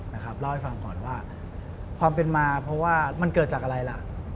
เล่าให้ฟังก่อนว่าความเป็นมาเพราะว่ามันเกิดจากอะไรล่ะ